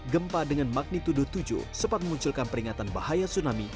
gempa dengan magnitudo tujuh sempat memunculkan peringatan bahaya tsunami